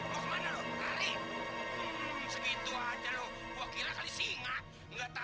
kalau gitu ayo kita berdindak